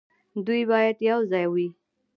دوی باید یوځای وي.